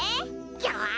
よし！